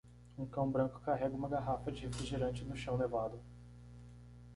Um cão branco carrega uma garrafa de refrigerante no chão nevado.